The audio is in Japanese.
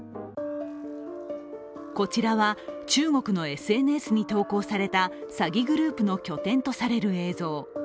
こちらは中国のＳＮＳに投稿された詐欺グループの拠点とされる映像。